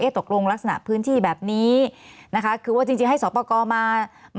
เอ๊ะตกลงลักษณะพื้นที่แบบนี้คือว่าจริงให้สอปกรณ์มา